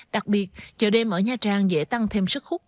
đặc biệt chợ đêm ở nha trang dễ tăng thêm sức hút